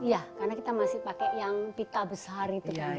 iya karena kita masih pakai yang pita besar itu kan